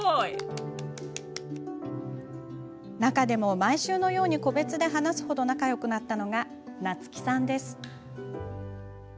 中でも毎週のように個別で話すほど仲よくなったのが夏樹さんです。